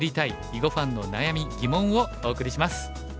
囲碁ファンの悩み、疑問」をお送りします。